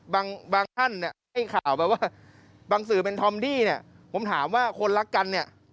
บางท่านให้ข่าวไปว่าบางสื่อเป็นธอมดี้ผมถามว่าคนรักกัน